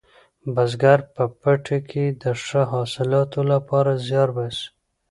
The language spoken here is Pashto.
بزګر په پټي کې د ښه حاصلاتو لپاره زیار باسي